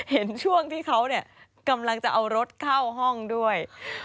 เห็นช่วงที่เขากำลังจะเอารถเข้าห้องด้วย